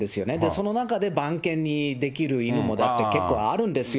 その中で番犬にできる犬も結構あるんですよ。